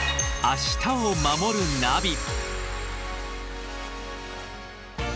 「明日をまもるナビ」